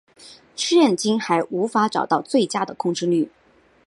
现今还无法找到最佳的控制律。